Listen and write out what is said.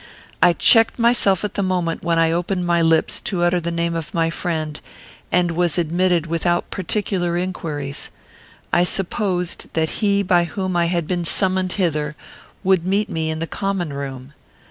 I checked myself at the moment when I opened my lips to utter the name of my friend, and was admitted without particular inquiries. I supposed that he by whom I had been summoned hither would meet me in the common room.